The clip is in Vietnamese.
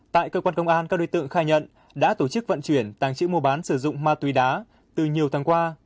tại cơ quan công an các đối tượng khai nhận đã tổ chức vận chuyển tàng trữ mua bán sử dụng ma túy đá từ nhiều tháng qua